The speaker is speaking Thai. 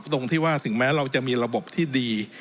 ตรงที่ว่าถึงแม้เราจะมีระบบที่ดี